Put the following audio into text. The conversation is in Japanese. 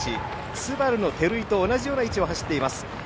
ＳＵＢＡＲＵの照井と同じような位置を走っています。